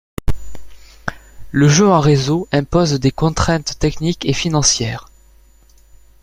Le jeu en réseau impose des contraintes techniques et financières.